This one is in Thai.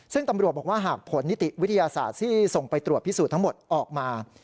ซึ่งตำรวจบอกว่าหากผลนิติวิทยาศาสตร์ที่ส่งไปตรวจพิสูจน์ทั้งหมดออกมา